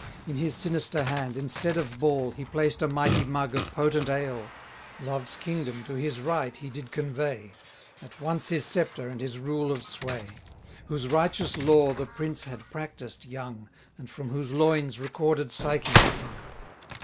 In his sinister hand, instead of ball, 120 He placed a mighty mug of potent ale; Love's Kingdom to his right he did convey, At once his sceptre and his rule of sway; Whose righteous lore the prince had practised young, And from whose loins recorded Psyche sprung.